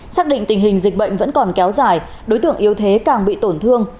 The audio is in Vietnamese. xác định tình hình dịch bệnh vẫn còn kéo dài đối tượng yếu thế càng bị tổn thương